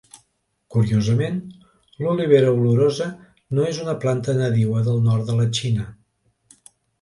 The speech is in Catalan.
Curiosament, l'olivera olorosa no és una planta nadiua del nord de la Xina.